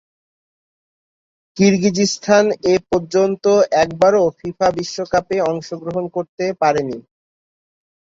কিরগিজস্তান এপর্যন্ত একবারও ফিফা বিশ্বকাপে অংশগ্রহণ করতে পারেনি।